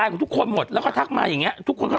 นึกออกไหม